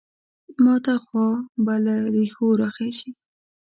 ماته خوا به له رېښو راخېژي.